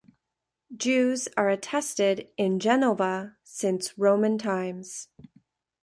Jews are attested in Genova since Roman times.